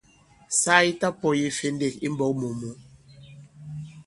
Saa yi ta-pɔ̄ɔye ifendêk i mbɔ̄k mù mǔ.